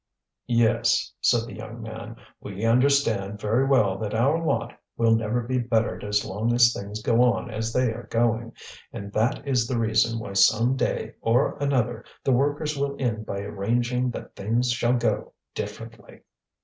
"Yes," said the young man, "we understand very well that our lot will never be bettered as long as things go on as they are going; and that is the reason why some day or another the workers will end by arranging that things shall go differently."